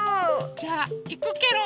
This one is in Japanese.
じゃあいくケロ。